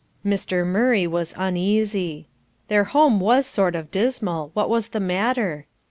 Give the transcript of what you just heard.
Mr. Murray was uneasy: "Their home was sort of dismal; what was the matter?"